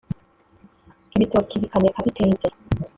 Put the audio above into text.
ibitoki bikaneka biteze